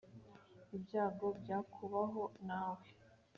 ibyago byakubaho nawe